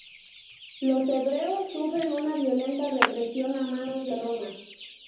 Los hebreos sufren una violenta represión a manos de Roma.